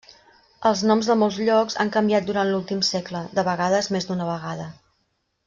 Els noms de molts llocs han canviat durant l'últim segle, de vegades més d'una vegada.